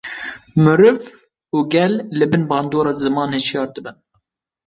meriv û gel li bin bandora ziman şiyar dibin